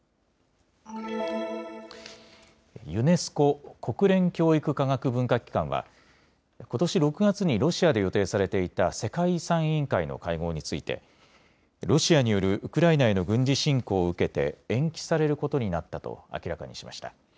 ユネスコ・国連教育科学文化機関はことし６月にロシアで予定されていた世界遺産委員会の会合についてロシアによるウクライナへの軍事侵攻を受けて延期されることになったと明らかにしました。